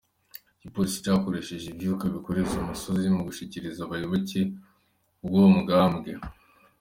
Igipolisi cakoresheje ivyuka bikoroza amosozi mu gushiragiza abayoboke b’uwo mugambwe.